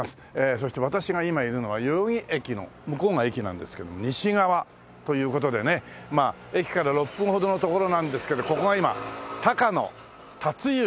そして私が今いるのは代々木駅の向こうが駅なんですけども西側という事でねまあ駅から６分ほどの所なんですけどここが今高野辰之住居跡。